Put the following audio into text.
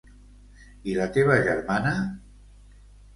I la teva germana?